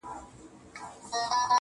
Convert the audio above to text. د خندا جنازه ولاړه غم لړلې.!